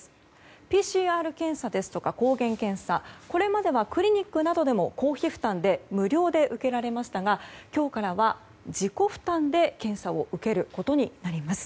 ＰＣＲ検査や抗原検査はこれまではクリニックなどでも公費負担で無料で受けられましたが今日からは自己負担で検査を受けることになります。